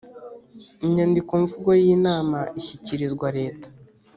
inyandikomvugo y inama ishyikirizwa leta